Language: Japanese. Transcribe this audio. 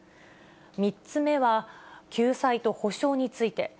３つ目は、救済と補償について。